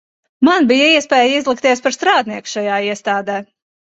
Man bija iespēja izlikties par strādnieku šajā iestādē.